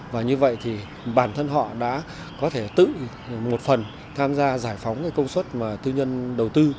và như vậy thì bản thân họ đã có thể tự một phần tham gia giải phóng cái công suất mà tư nhân đầu tư